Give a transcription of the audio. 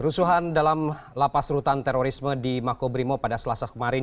rusuhan dalam lapas rutan terorisme di mako brimob pada selasa kemarin